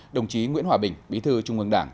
đồng chí nguyễn hòa bình bí thư trung ương đảng